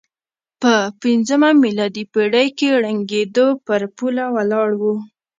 په پځمه میلادي پېړۍ کې ړنګېدو پر پوله ولاړ و.